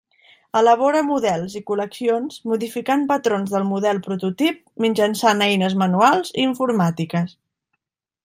Elabora models i col·leccions modificant patrons del model prototip mitjançant eines manuals i informàtiques.